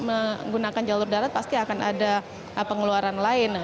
menggunakan jalur darat pasti akan ada pengeluaran lain